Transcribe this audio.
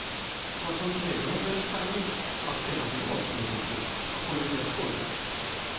この消費税減税の期間に価格転嫁をしていく、こういう政策を訴えています。